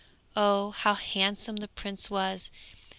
Oh, how handsome the prince was!